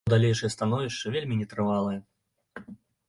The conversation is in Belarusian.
Яго далейшае становішча вельмі нетрывалае.